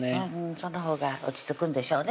そのほうが落ち着くんでしょうね